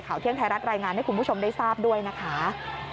เที่ยงไทยรัฐรายงานให้คุณผู้ชมได้ทราบด้วยนะคะ